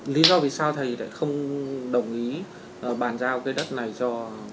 lý do vì sao thầy lại không đồng ý bàn giao cái đất này cho